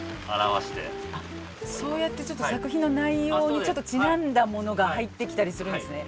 ああそうやってちょっと作品の内容にちょっとちなんだものが入ってきたりするんですね。